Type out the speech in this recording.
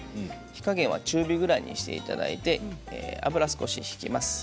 火加減は中火ぐらいにしていただいて油少し引きます。